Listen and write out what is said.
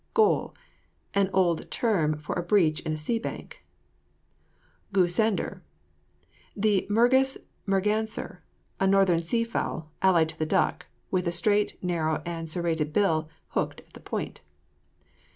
GOOLE. An old term for a breach in a sea bank. GOOSANDER. The Mergus merganser, a northern sea fowl, allied to the duck, with a straight, narrow, and serrated bill, hooked at the point.